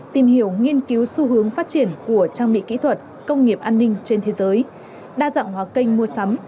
tìm hiểu nghiên cứu xu hướng phát triển của trang bị kỹ thuật công nghiệp an ninh trên thế giới đa dạng hóa kênh mua sắm